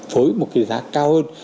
với một cái giá cao hơn